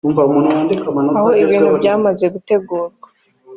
aho ibintu byamaze gutegurwa